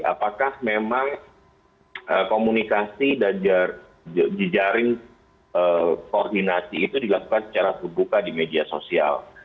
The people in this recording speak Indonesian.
apakah memang komunikasi dan jejaring koordinasi itu dilakukan secara terbuka di media sosial